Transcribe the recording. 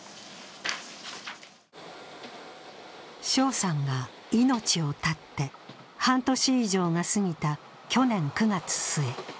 翔さんが命を絶って半年以上が過ぎた去年９月末。